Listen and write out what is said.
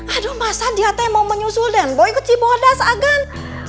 aduh masa dia teh mau menyusul denboy ke cibodas agan